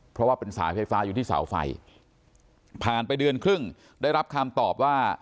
เพราะว่าเป็นสายไฟฟ้าอยู่ที่เสาไฟผ่านไปเดือนครึ่งได้รับคำตอบว่า